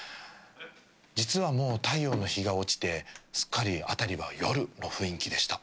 実はもう太陽の日が落ちてすっかり辺りは夜の雰囲気でした。